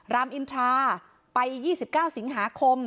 รามอินทราไป๒๙สิงหาคม